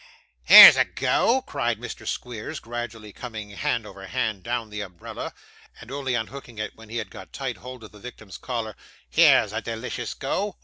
'Here's a go!' cried Mr. Squeers, gradually coming hand over hand down the umbrella, and only unhooking it when he had got tight hold of the victim's collar. 'Here's a delicious go!